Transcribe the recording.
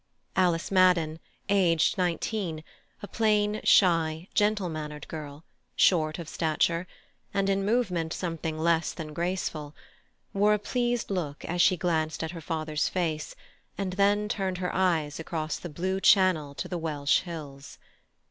Alice Madden, aged nineteen, a plain, shy, gentle mannered girl, short of stature, and in movement something less than graceful, wore a pleased look as she glanced at her father's face and then turned her eyes across the blue channel to the Welsh hills.